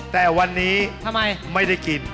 แต่วันนี้ไม่ได้กิน